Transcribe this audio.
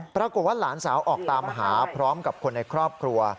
ปรากฏว่าหลานสาวออกตามหาพร้อมกับคนในครอบครัว